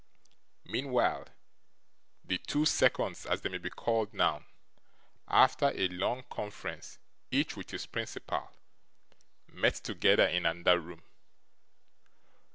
Meanwhile, the two seconds, as they may be called now, after a long conference, each with his principal, met together in another room.